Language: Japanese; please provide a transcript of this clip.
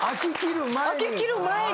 開ききる前に。